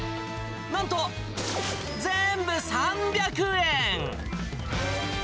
なんと、全部３００円。